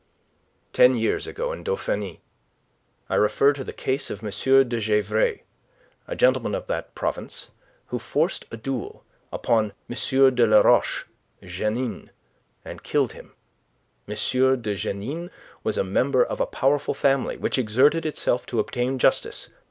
"Ten years ago, in Dauphiny. I refer to the case of M. de Gesvres, a gentleman of that province, who forced a duel upon M. de la Roche Jeannine, and killed him. M. de Jeannine was a member of a powerful family, which exerted itself to obtain justice.